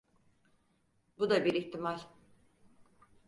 Bu da bir ihtimal.